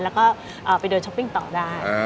แล้วก็ไปเดินช้อปปิ้งต่อได้